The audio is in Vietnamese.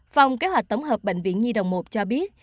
phòng kế hoạch tổng hợp bệnh viện nhi đồng một cho biết